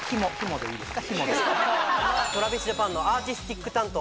ＴｒａｖｉｓＪａｐａｎのアーティスティック担当